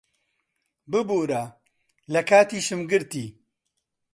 ببوورە، لە کاتیشم گرتی.